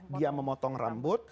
dia memotong rambut